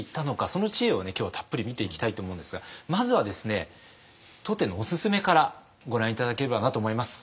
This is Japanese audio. その知恵を今日はたっぷり見ていきたいと思うんですがまずはですね当店のおすすめからご覧頂ければなと思います。